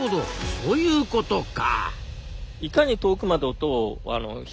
そういうことか。